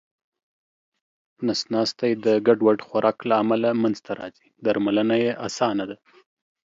نس ناستی د ګډوډ خوراک له امله منځته راځې درملنه یې اسانه ده